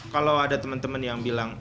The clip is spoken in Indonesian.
kalau ada teman teman yang bilang